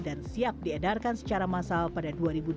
dan siap diedarkan secara massal pada dua ribu dua puluh satu